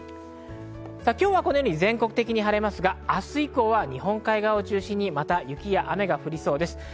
今日は全国的に晴れますが、明日以降は日本海側を中心に雪や雨が降りそうです。